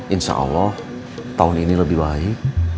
insya allah tahun ini lebih baik